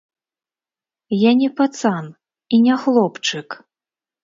Я не пацан і не хлопчык.